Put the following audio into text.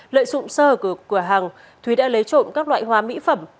lợi dụng sơ hở của cửa hàng thúy đã lấy trộm các loại hóa mỹ phẩm